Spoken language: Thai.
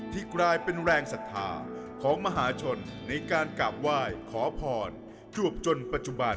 กลายเป็นแรงศรัทธาของมหาชนในการกราบไหว้ขอพรจวบจนปัจจุบัน